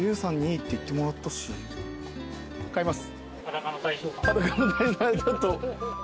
買います。